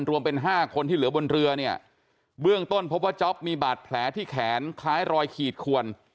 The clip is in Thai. รวมเป็น๕คนที่เหลือบนเรือเนี่ยเบื้องต้นพบว่าจ๊อปมีบาดแผลที่แขนคล้ายรอยขีดขวน